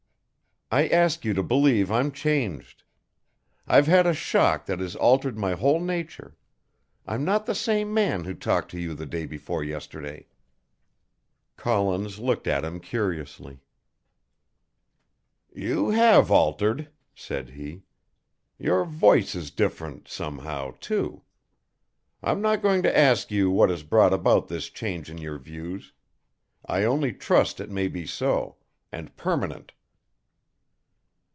I ask you to believe I'm changed. I've had a shock that has altered my whole nature. I'm not the same man who talked to you the day before yesterday." Collins looked at him curiously. "You have altered," said he, "your voice is different, somehow, too. I am not going to ask you what has brought about this change in your views. I only trust it may be so and permanent."